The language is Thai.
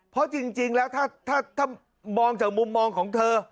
เพราะจริงแล้วถ้ามองจากมุมมองของเธอ